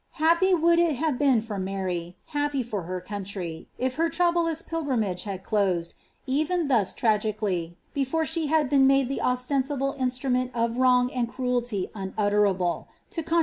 '' >uld it have been for Mary, happy for her country, if her pilgrimage had closed, even thus tragically, before she had i the ostensible instrument of wrong and cruelty unutterable, ntious Protestants